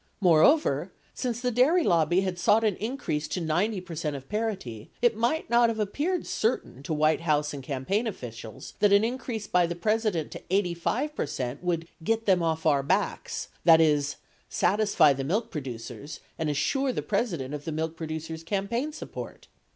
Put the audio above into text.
Moreover, since the dairy lobby had sought an increase to 90 percent of parity, it might not have appeared certain to White House and cam paign officials that an increase by the President to 85 percent would "get them off our backs", that is, satisfy the milk producers and as sure the President of the milk producers' campaign support.